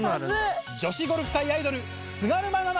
女子ゴルフ界アイドル菅沼菜々